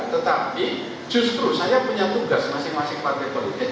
tetapi justru saya punya tugas masing masing partai politik